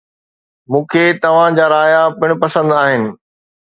مون کي توهان جا رايا پڻ پسند آهن